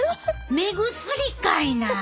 目薬かいな！